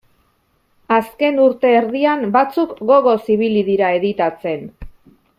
Azken urte erdian batzuk gogoz ibili dira editatzen.